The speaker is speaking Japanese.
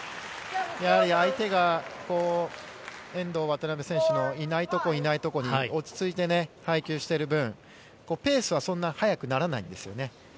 相手が遠藤・渡辺選手のいないところに落ち着いて配球している分、ペースはそんなに速くならないんですよね。